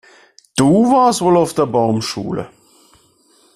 Du warst wohl auf der Baumschule.